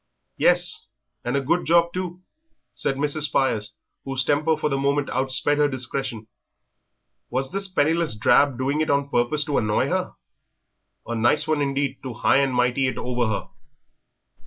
"Yes, and a good job, too," said Mrs. Spires, whose temper for the moment outsped her discretion. Was this penniless drab doing it on purpose to annoy her? A nice one indeed to high and mighty it over her.